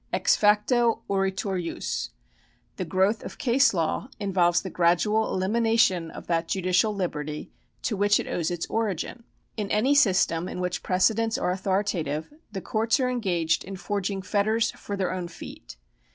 Ex facto oritur jus. The growth of case law in volves the gradual elimination of that judicial liberty to which it owes its origin. In any system in which precedents are authoritative the courts are engaged in forging fetters for their own feet.